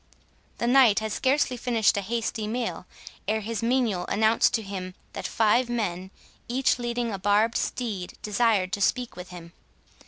The Knight had scarcely finished a hasty meal, ere his menial announced to him that five men, each leading a barbed steed, desired to speak with him.